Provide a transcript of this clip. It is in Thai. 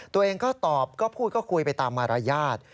ตัวเองก็ตอบก็พูดก็คุยไปตามมารยาท